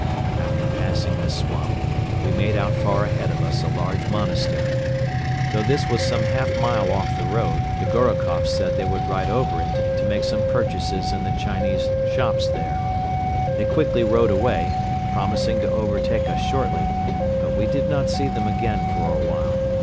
After passing this swamp we made out far ahead of us a large monastery. Though this was some half mile off the road, the Gorokoffs said they would ride over to it to make some purchases in the Chinese shops there. They quickly rode away, promising to overtake us shortly, but we did not see them again for a while.